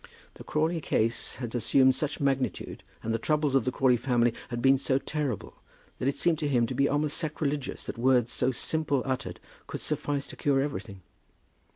The Crawley case had assumed such magnitude, and the troubles of the Crawley family had been so terrible, that it seemed to him to be almost sacrilegious that words so simply uttered should suffice to cure everything.